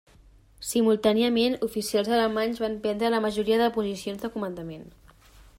Simultàniament, oficials alemanys van prendre la majoria de posicions de comandament.